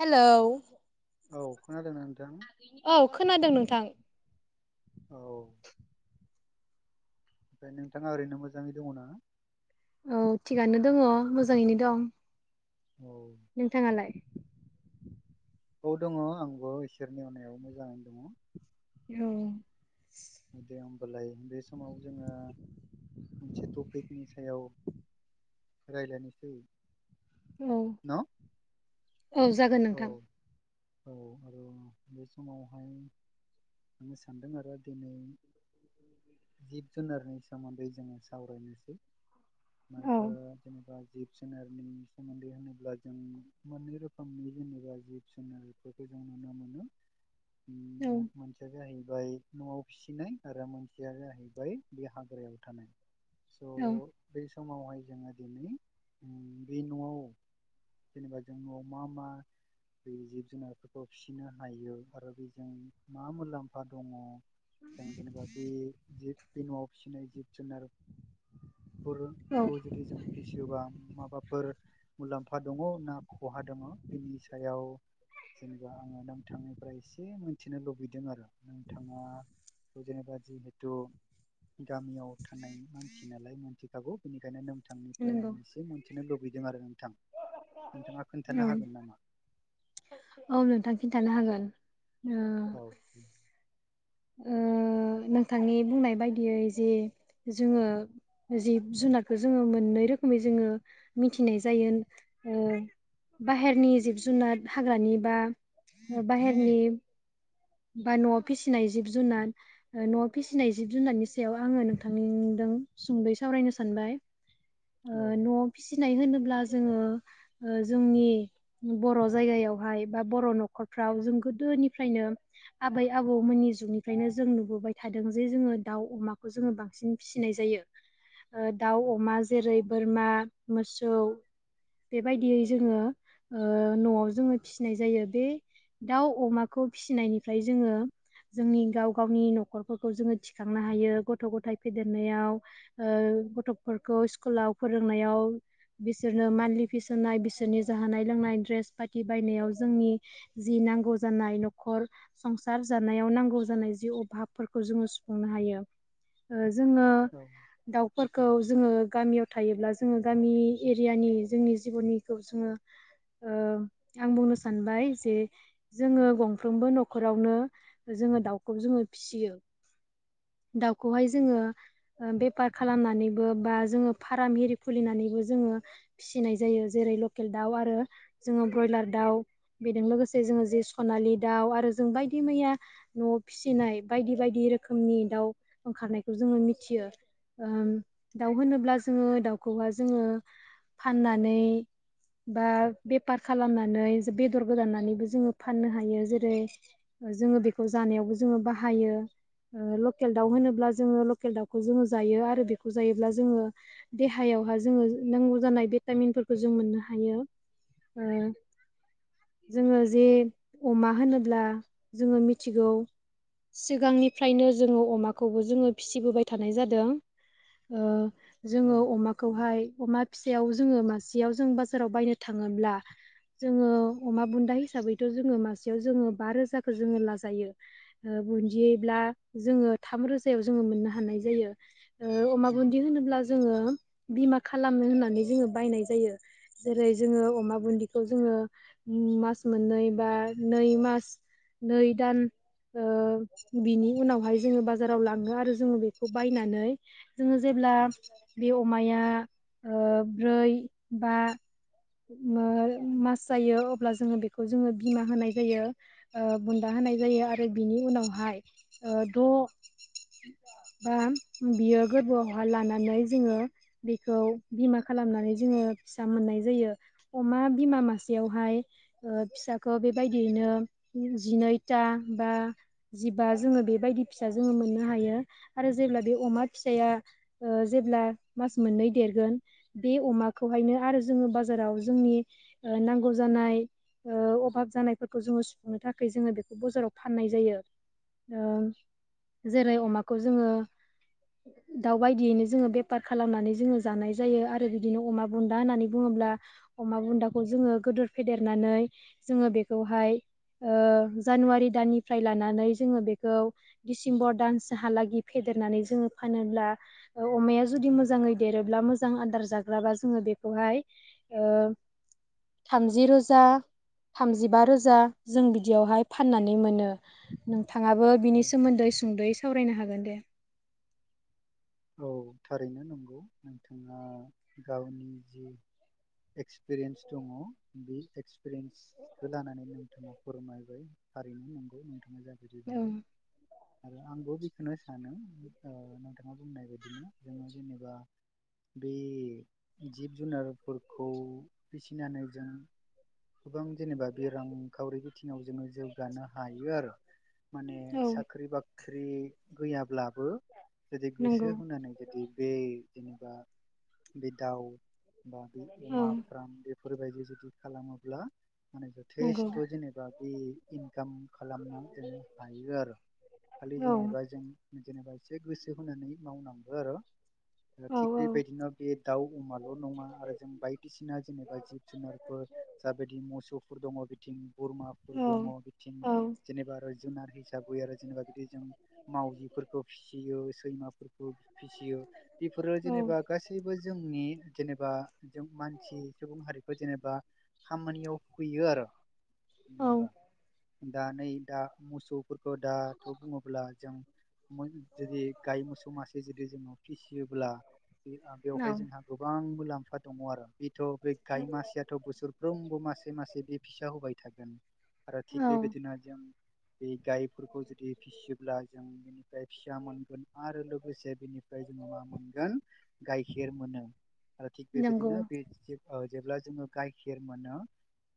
हेल' औ खोनादोंना नोंथां औ खोनादों नोंथां औ ओमफ्राय नोंथाङा ओरैनो मोजाङै दङ ना औ थिगानो दङ मोजाङैनो दं औ नोंथाङालाय औ दङ आंबो इसोरनि अनायाव मोजाङैनो दङ औ दे होमबालाय बे समाव जोङो मोनसे टपिकनि सायाव रायज्लायनोसै औ न औ जागोन औ नोंथां औ आरो बे समावहाय आङो सानदों आरो दिनै जिब जुनारनि सोमोन्दै जोङो सावरायनोसै। औ मानोथो जेनेबा जिब जुनारनि सोमोन्दै होनोब्ला जों मोनै रोख खोमनि जेनेबा जिब जुनारफोरखौ जों नुनो मोनो औ उम मोनसेया जाहै बेवहाय न'आव फिसिनाय आरो मोनसेया जाहैबाय बे हाग्रायाव थानाय। स बेस समावहाय जोङो दिनै बे न'आव जेनेबा जों न'आव मा मा? बे जिब जुनारफोरखौ फिसिनो हायो आरो बेजों मा मुलाम्फा दङ। जों जेनेबा बे जिब न'आव फिसिनाय जिब जुनार। औ फोरखौ जुदि जों फिसियोबा माबाफोर मुलाम्फा दङ ना खहा दङ बिनि सायाव जेनेबा आंङो नोंथांनिफ्राय एसे मिथिनो लुबैदों आरो नोंथाङा जेनेबा जिहेथु गामियाव थानाय मानसि नालाय मोनथिखागौ बेनिखायनो नों नोंथांनिफ्राय नंगौ आं एसे मिथिनो लुबैदों आरो नोंथां। नोंथाङा [unintelligible] खोन्थानो हागोन नामा? औ नोंथां खिन्थानो हागोन। ओ औे। ओ नोंथांनि बुंनाय बायदियै जि जोंङो जिब जुनारखौ जोंङो मोननै रोखोमै जोंङो मिथिनाय जायो। ओ बाहेरनि जिब-जुनार हाग्रानि बा बाहेरनि बा न'आव फिसि नाय जिब-जुनार ओ न'आव फिसिनाय जिब-जुनारनि सायाव आंङो नोंथांदों सुंद'यै सावराय सानबाय। [inaudible] ओ न'आव फिसिनाय होनोब्ला जोंङो ओ जोंनि बर' जायगायावहाय बा बर' न'खरफ्राव जों गोदो निफ्रायनो आबै आब बौमोननि जुगनिफ्रायनो जों नुबोबाय थादों जे जोंङो दाउ अमाखौ जोंङो बांसिन फिसिनाय जायो। ओ दाउ, अमा जेरै बोरमा, मोसौ बेबायदियै जोंङो ओ न'आव जोंङो फिसिनाय जायो बे दाउ अमाखौ फिसिनायनिफ्राय जोंङो जोंनि गाव गावनि नख'रफोरखौ जोंङो थिखांनो हायो गथ' ग'थाय फेदेरनायाव ओ ओ गथ'फोरखौ स्कुलाव फोरोंनायाव बिसोरनो मानलि फिस होनाय बिसोरनि जानाय लोंनाय ड्रेस पाटि बायनायाव जोंनि जि नांगौ जानाय न'खर संसार जानायाव नांगौ जानाय जि अभाबफोरखौ जोंङो सुफुंनो हायो। ओ जोङो औ दाउफोरखौ जोङो गामियाव थायोब्ला जोङो गामि एरियानि जोंनि जिबनिखौ जोङो ओ आं बुंनो सानबाय जे जोङो गंफ्रोमबो न'खरावनो जोंङो दाउखौ जोंङो फिसियो। [inaudible] दाउखौहाय जोंङो ओ बेफार खालामनानैबो बा जोंङो फार्म इरि खुलिनानैबो जोङो फिसिनाय जायो जेरै लकेल दाउ आरो जोंङो ब्रयलार दाउ बेदों लोगोसे जोङो सनालि दाउ आरो जों बायदि बायदि मैया न'आव फिसिनाय बायदि बायदि रोखोमनि दाउ ओंखारनायखौ जोंङो मिथियो। ओम दाउ होनोब्ला जोंङो दाउखौहाय जोंङो फाननानै बा बेफार खालामनानै बेद'र गोदाननानैबो जोंङो फाननो हायो। जेरै जोंङो बेखौ जानायावबो जोङो बाहायो ओ लकेल औ दाउ होनोब्ला जोंङो लकेल दाउखौ जोंङो जायो आरो बेखौ जायोब्ला जोंङो देहायावहाय जोंङो नांगौ जानाय भिटामिनफोरखौ जों मोननो हायो। [inaudible] जोंङो जे अमा होनोब्ला। जोंङो मिथिगौ। सिगांनिफ्रायनो जोंङो अमाखौबो जोंङो फिसिबोबाय थानाय जादों। जोंङो औ अमाखौहाय अमा। फिसायाव जोंङो मासेयाव जों बाजाराव बायनो थांङोब्ला। जोंङो अमा बुन्दा हिसाबैथ जोंङो मासेयाव जोंङो बा रोजा। जोङो लाजायो बुन्दिब्ला जोङो थाम रोजायाव जोङो मोननो हानाय जायो। अमा उम बुन्दि होनोब्ला जोङो बिमा खालामनो होननानै जोङो बायनाय जायो जेरै जोङो अमा बुदिखौ जोङो मास मोननै बा नै मास नै दान ओ बिनि उनावहाय जोङो बाजाराव लाङो आरो जोङो बेखौ बायनानै जोङो जेब्ला उम बे अमाया ओ ब्रै बा मास जायो अब्ला जोङो बेखौ जोङो बिमा होनाय जायो। बुन्दा होनाय जायो आरो बिनि उनावहाय द' [inaudible] बा बियो गोरबोआवहााय लानानै जोङो बेखौ बिमा खालामनानै जोङो फिसा मोननाय जायो अमा बिमा मासेयावहाय ओ फिसाखौ बेबायदियैनो जिनैथा बा जिबा जोङो बेबायदि फिसा जोङो मोननो हायो आरो जों जेब्ला बे अमा फिसया ओ जेब्ला मास मोननै देरगोन बे अमाखौहायनो दा आरो जोङो बाजाराव जोंनि नांगौ जानाय अभाब जानायफोरखौ जोङो सुफुंनो थाखाय जोङो बेखौ बाजाराव फाननाय जायो। जेरै अमाखौ जोङो। दाउ बायदियैनो जोङो बेफार खालामनानै जोङो जानाय जायो आरो बिदिनो अमा बुन्दा होननानै बुङोब्ला होनब्ला अमा बुन्दाखौ जोङो गदोर फेदेरनानै जोङो बेखौहाय ओ [inaudible] जानुवारि दाननिफ्राय लानानै जोङो बेखौ डिसेम्बर दानहालागै फेदेरनानै जों जोङो फानोब्ला अमाया जुदि मोजाङै देरोब्ला मोजां आदार जाग्राबा जोङो बेखौहाय थामजि रोजा थामजिबा रोजा जों बिदियावहाय फाननानै मोनो नोंथाङाबो औ बिनि सोमोन्दै सुंद'यै सावरायनो हागोन। दे औ थारैनो नंगौ नोंथाङा गावनि जि एक्सपिरियेन्स दङ बे एक्सपिरियेन्सखौ लानानै नोंथाङा फोरमायबाय थारैनो नंगौ औ नोंथां आरो आंबो बेखौनो सानो नोंथाङा। बुंनाय बायदिनो जोङो जेनेबा बे जिब जुनार फोरखौ फिसिनानै जों गोबां जेनेबा बे रांखावरि बिथिङाव जोङो जौगानो हायो आरो। माने औ साख्रि बाख्रि गैयाब्लाबो जुदि नंगौ गोसो होनानै जुदि बे जेनेबा बे दाउ बा बे औ अमा फ्राम बेफोरबायदि जुदि खालामोब्ला माने नंगौ जथेस्थ' जेनेबा बे इनकाम खालामनो हायो आरो। खालि औ जेनेबा जों जेनेबा एसे गोसो होनानै मावनांगौ आरो। औ थिग बेबायदिनो बे दाउ अमाल' नङा आरो जों बायदिसिना जेनेबा जिब जुनारफोर जाबायदि मोसौफोर दङ बिथिं औ बोरमाफोर दङ बिथिं औ जेनेबा आरो जुन हिसाबै आरो जेनेबा बि जों मावजिफोरखौ फिसियो। माफोरखौ फिसियो बेफोरो औ जेनेबा गासैबो जोंनि जेनेबा जों मानसि सुबुं हारिखौ जेनेबा खामानियाव हैयो आरो होमबा औ दा नै दा मोसौफोरखौ दाथ' बुङोब्ला जों जुदि गाय मोसौ मासे जुदि जोङो फिसियोब्ला बेवहाय जोंहा गोबां मुलाम फा दङ आरो बे थ' बे गाय मासेयाथ' बोसोरफ्रोमबो मासे मासे बे फिसा होबाय थागोन आरो थिग औ बेबायदिनो जों बे गायफोरखौ जुदि फिसियोब्ला जों बेनिफ्राय फिसा मोनगोन आरो लोगोसे बेनिफ्राय जोङो मा मोनगोन गाइखेर मोनो आरो थिग नंगौ बेबायदिनो बे [unintelligible] जेब्ला जोङो गाइखेर मोनो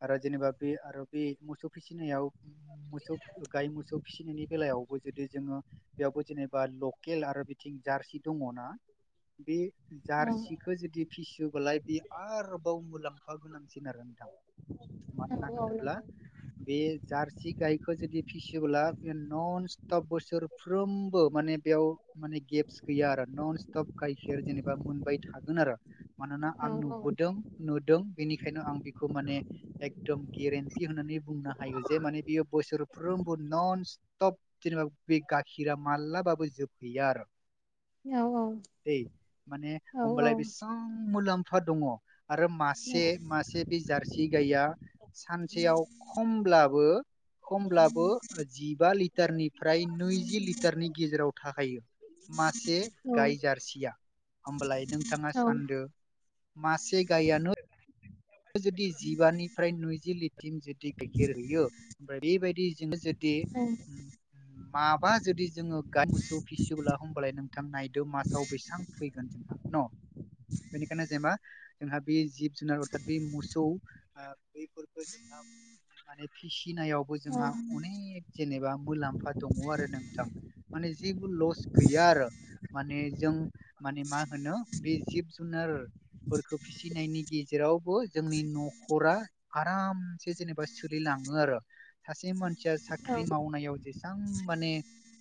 आरो जेनेबा बे आरो बे मोसौ फिसिनायाव मोसौ गाय मोसौ फिसिनायनि बेलायावबो जुदि जोङो बेयावबो जेनेबा ल केल आरो बिथिं जारसि दङना बे औ जारसिखौ जुदि फिसियो बोलाय बे आरोबाव मुलाम्फा गोनांसिन आरो नोंथां औ मानोना औ होनोब्ला बे जारसि गायखौ जुदि फिसियोब्ला बे नन स्टप बोसोरफ्रोमबो माने बेयाव माने गेब स गैया आरो नन स्टप गाइखेर जेनेबा मोनबाय थागोन आरो मानोना आं नंगौ नुबोदों नुदों बेनिखायनो आं बेखौ माने एकदम गेरेन्टि होना नै बुंनो हायो जे माने बियो बोसोर फ्रोमबो नन स्टप जेनेबा बे गाखिरा मालाबाबो जोबहैया आरो दै माने औ होमबालाय बेसां मुलाम्फा दङ। आरो मासे मासे बे जारसि गाइया सानसेयाव खमब्लाबो खमब्लाबो जिबा लिटारनिफ्राय नैजि लिटारनि गेजेराव थाखायो मासे गाय जारसिया होमबालाय नोंथाङा औ सानदो मासे गायानो जुदि जिबानिफ्राय नैजि लिटिम जुदि गाइखेर हैयो ओमबा बेबायदि बिदिनो जुदि माबा जुदि जोङो गाद मोसौ फिसिवोबोला होमबालाय नोंथां नायदो मासाव बेसां फैगोन जोंहा न' बेनिखायनो जेनेबा जोंहा बे जिब जुनार बे मोसौ ओ बेफोरखौ जोंहा माने फिसि फिनायावबो जोंहा अनेक जेनेबा मुलाम्फा दङो आरो नोंथां माने जेबो लस गैया आरो माने जों माने मा होनो बे जिब जुनारफोरखौ फिसिनायनि गे जेरावबो जोंनि न'खरा आरामसे जेनेबा सोलिलाङो आरो सासे मान सिया साख्रि मावनायाव जेसां माने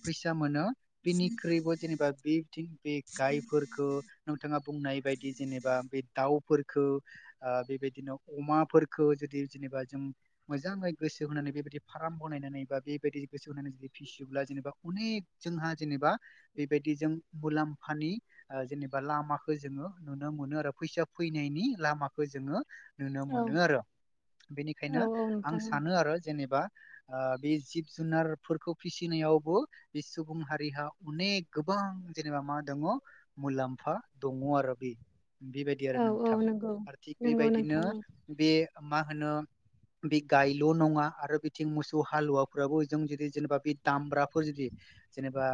फैसा मोनो बिनिख्रुइबो जेनेबा बे थिन बे गायफोरखौ नोंथाङा बुंनाय बायदि जेनेबा बे दाउफोरखौ ओ बेबायदिनो अमाफोरखौ जुदि जेनेबा जों मोजाङै गोसो होनानै बेबायदि फाराग फाम बनायनै बा बेबायदि गोसो होनानै जुदि फिसियोब्ला जेनेबा अनेक जोंहा जेनेबा बेबायदि जा जों मुलामफानि ओ जेनेबा लामाखौ जोङो नुनो मोनो आरो फैसा फैनायनि लामाखौ जोङो नुनो मोनो आरो बेनिखायनो औ औ आं नोंथां सानो आरो जेनेबा ओ बे जिब जुनारफोरखौ फिसिनायावबो बे सुबुं हारिहा अनेक गोबां बां जेनेबा मा दङो मुलाम्फा दङो आरो बे बेबायदि औ आरो औ नोंथां नंगौ आरो थिग नंगौ बेबायदिनो नोंथां औ बे मा होनो बे गायल' नङा आरो बिथिं मोसौ हालुवाफोराबो जों जुदि जेनेबा बे दामब्राखौ जुदि जेनेबा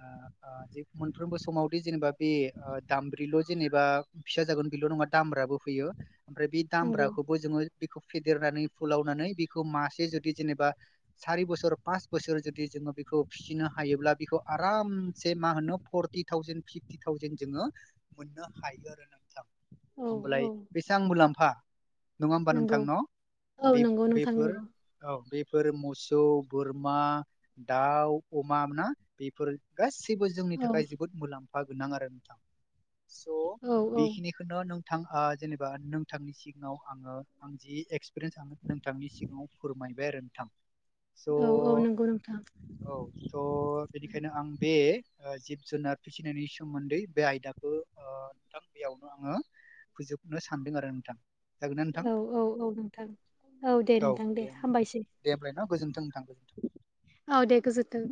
ओ‌ मोनफ्रोमबो समावदि जेनेबा बे ओ दामब्रिल' जेनेबा ओ फिसा जागोन बेल' नङा दामब्राबो फैयो ओमफ्राय बे नंगौ दामब्राखौबो जोङो बेखौ फेदेरनानै फुलावनानै बिखौ मासे जुदि जेनेबा सारि बोसोर पास बोसोर जुदि जोङो बेखौ फिसिनो हायोब्ला बेखौ आरामसे मा होनो फरटि थावजेन फिफटि थावजेन जोङो मोननो हायो आरो नोंथां औ होमबालाय औ बेसां मुलाम्फा नङा होमबा नोंथां नंगौ न औ बे नंगौ नोंथां बेफोर नंगौ औ बे बेफोर मोसौ बोरमा दाउ अमा ना बेफोर गासैब गासैबो जोंनि औ थाखाय जोबोद मुलाम्फा गोनां आरो नोंथां स औ औ बेखिनिखौनो नों! नोंथ जेनेबा नोंथांनि सिगाङाव आङो आं जि एक्सपिरियेन्स आङ नोंथांनि सिगाङाव फोरमाय बाय आरो नोंथां। स औ औ नंगौ नोंथां औ स बेनिखायनो आं बे जिब जुनार फिसिनायनि सोमोन्दै बे आयदाखौ ओ नोंथां बेयावनो आङो फोजोबनो सान्दों आरो नोंथां जागोन ना नोंथां औ औ औ नोंथां। औ दे नोंथां दे हामबायसै। दे होमब्लाय ना गोजोन्थों नोंथां गोजोन्थों औ दे गोजोनथों।